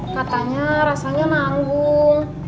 katanya rasanya nanggung